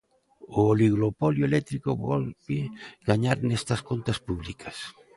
O oligopolio eléctrico volve gañar nestas contas públicas.